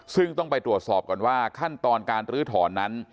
ซึ่งต้องไปตรวจสอบก่อนว่าขั้นตอนการลื้อถอนนั้น